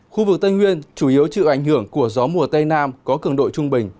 khu vực tây nguyên chủ yếu chịu ảnh hưởng của gió mùa tây nam có cường độ trung bình